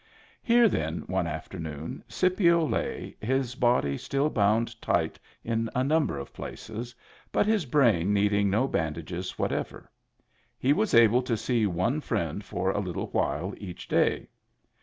Here then, one afternoon, Scipio lay, his body still bound tight at a number of places, but his brain needing no bandages whatever; he was able to see one friend for a little while each day.